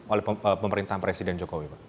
oleh pemerintahan presiden jokowi pak